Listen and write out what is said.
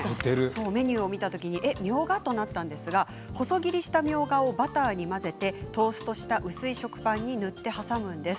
メニューを見た時みょうが？となったんですが細切りしたみょうがをバターにかけてトーストした薄い食パンに塗って挟むんです。